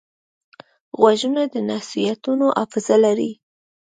غوږونه د نصیحتونو حافظه لري